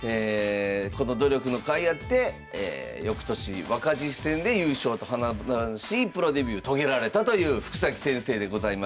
この努力のかいあってよくとし若獅子戦で優勝と華々しいプロデビュー遂げられたという福崎先生でございました。